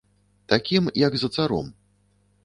Такім, як за царом.